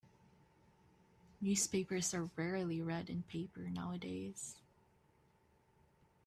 Newspapers are rarely read in paper nowadays.